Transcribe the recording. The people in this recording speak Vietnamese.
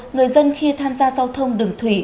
người dân khi tham gia giao thông đường thủy